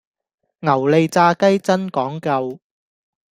牛脷炸雞真講究